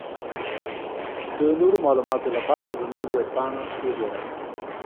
د نورو معلوماتو لپاره زمونږ ويبپاڼه وګورٸ.